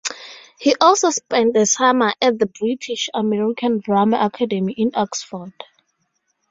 He also spent a summer at the British American Drama Academy in Oxford.